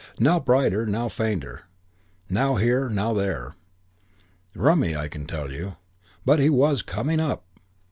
Now brighter, now fainter; now here, now there. Rummy, I can tell you. But he was coming up.